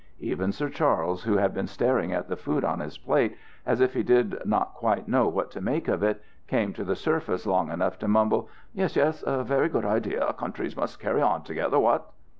Even Sir Charles, who had been staring at the food on his plate as if he did not quite know what to make of it, came to the surface long enough to mumble, "Yes, yes, very good idea. Countries must carry on together What?"